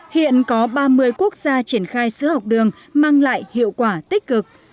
hiện có ba mươi quốc gia triển khai sữa học đường mang lại hiệu quả tích cực